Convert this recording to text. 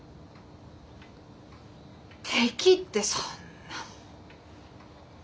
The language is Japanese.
敵ってそんなもう。